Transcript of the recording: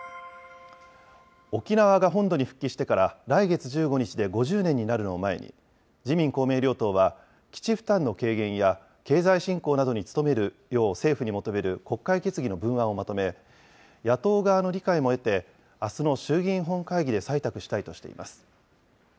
沖縄が本土に復帰してから来月１５日で５０年になるのを前に、自民、公明両党は、基地負担の軽減や、経済振興などに努めるよう政府に求める国会決議の文案をまとめ、野党側の理解も得て、あすの衆議院本会議で採択したいとしています。